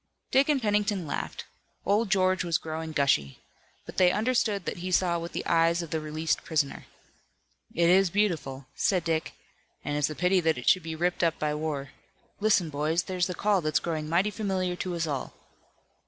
Dick and Pennington laughed. Old George was growing gushy. But they understood that he saw with the eyes of the released prisoner. "It is beautiful," said Dick, "and it's a pity that it should be ripped up by war. Listen, boys, there's the call that's growing mighty familiar to us all!"